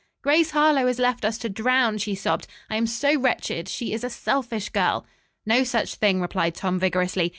"Grace Harlowe has left us to drown," she sobbed. "I am so wretched. She is a selfish girl." "No such thing," replied Tom vigorously.